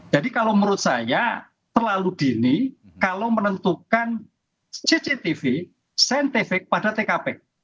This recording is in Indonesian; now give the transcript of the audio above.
jadi kalau menurut saya terlalu dini kalau menentukan cctv scientific pada tkp